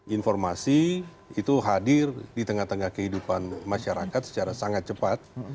informasi itu hadir di tengah tengah kehidupan masyarakat secara sangat cepat